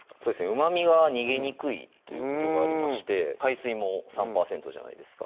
うまみが逃げにくいということがありまして海水も３％じゃないですか